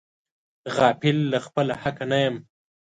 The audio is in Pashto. غافل له خپله حقه نه یم.